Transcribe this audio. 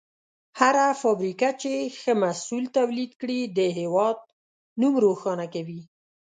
هره فابریکه چې ښه محصول تولید کړي، د هېواد نوم روښانه کوي.